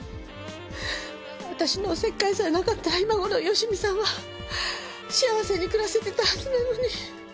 私のお節介さえなかったら今頃芳美さんは幸せに暮らせてたはずなのに。